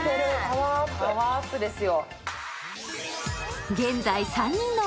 パワーアップですよ。